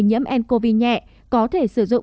nhiễm ncov nhẹ có thể sử dụng